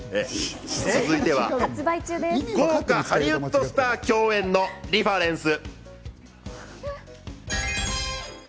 続いては豪華ハリウッドスター共演のリファレンス。